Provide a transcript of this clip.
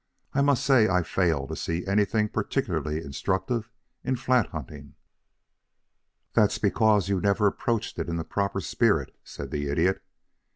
I must say I fail to see anything particularly instructive in flat hunting." "That's because you never approached it in a proper spirit," said the Idiot.